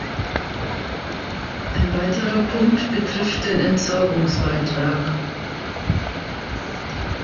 Ein weiterer Punkt betrifft den Entsorgungsbeitrag.